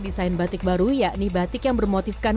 desain batik baru yakni batik yang bermotifkan